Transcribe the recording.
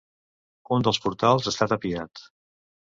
Un dels portals està tapiat.